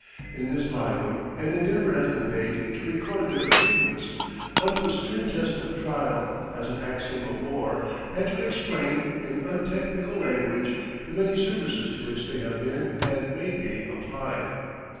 In this volume an endeavour has been made to record their achievements, under the stern test of trial, as an axiom of war, and to explain, in untechnical language, the many services to which they have been and may be applied.